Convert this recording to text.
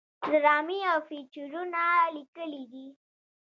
ډرامې او فيچرونه ليکلي دي